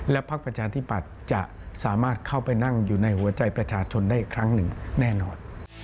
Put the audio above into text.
พักประชาธิปัตย์จะสามารถเข้าไปนั่งอยู่ในหัวใจประชาชนได้อีกครั้งหนึ่งแน่นอน